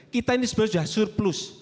kita ini sebenarnya sudah surplus